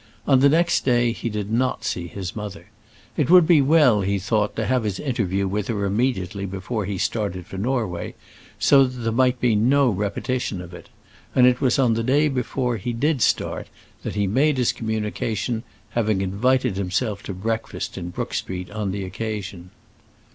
On the next day he did not see his mother. It would be well, he thought, to have his interview with her immediately before he started for Norway, so that there might be no repetition of it; and it was on the day before he did start that he made his communication, having invited himself to breakfast in Brook Street on the occasion.